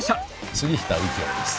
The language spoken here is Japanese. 杉下右京です。